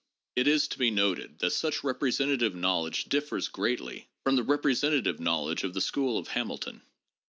It is to be noted that such representative knowledge differs greatly from the representative knowledge of the school of Hamilton.